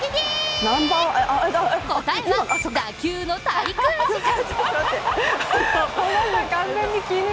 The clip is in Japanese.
答えは打球の滞空時間。